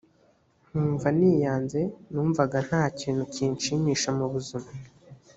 nkumva niyanze numvaga nta kintu kinshimisha mu buzima